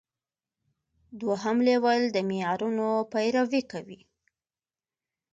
دوهم لیول د معیارونو پیروي کوي.